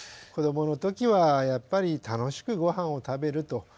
子どもの時はやっぱり楽しくごはんを食べると。